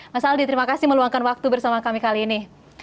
mas aldi terima kasih meluangkan waktu bersama kami kali ini